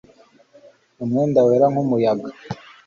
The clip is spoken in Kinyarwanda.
Mu mwenda wera nkumuyaga